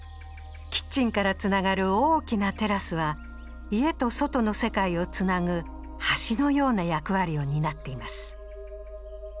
キッチンからつながる大きなテラスは家と外の世界をつなぐ橋のような役割を担っています。